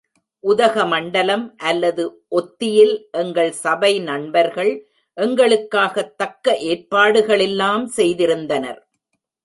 உதகமண்டலம் அல்லது ஒத்தியில் எங்கள் சபை நண்பர்கள் எங்களுக்காகத் தக்க ஏற்பாடுகளெல்லாம் செய்திருந்தனர்.